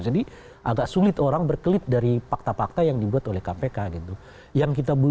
jadi agak sulit orang berkelit dari fakta fakta yang dibuat oleh kpk gitu